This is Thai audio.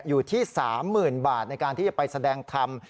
อยู่ที่๓๐๐๐บาทในการที่จะไปแสดงธรรม